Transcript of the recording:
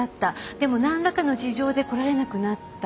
でもなんらかの事情で来られなくなった。